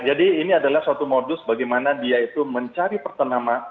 jadi ini adalah suatu modus bagaimana dia itu mencari pertanaman